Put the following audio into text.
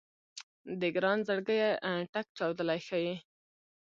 د ګران زړګيه ټک چاودلی ښه يې